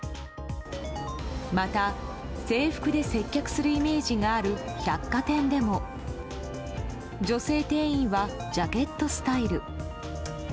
また、制服で接客するイメージがある百貨店でも女性店員はジャケットスタイル。